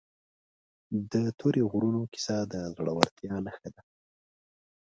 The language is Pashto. د تورې غرونو کیسه د زړورتیا نښه ده.